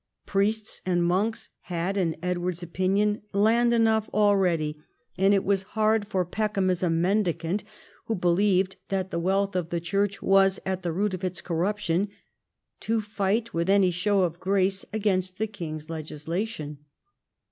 Priests and monks had, in Edward's opinion, land enough already, and it Avas hard for 158 EDWARD I chap. Peckham, as a Mendicant who believed that the wealth of the Church was at the root of its corruption, to fight with any show of grace against the king's legislation.